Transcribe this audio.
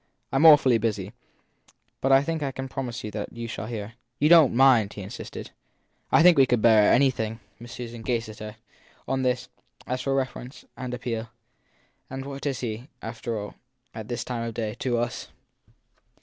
I m awfully busy, but I think I can promise you that you shall hear. You don t mind? he insisted. I think we could bear anything, said Miss Amy. Miss Susan gazed at her, on this, as for reference and appeal. And what is he, after all, at this time of day, to us?